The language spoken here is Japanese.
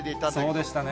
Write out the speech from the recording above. そうでしたね。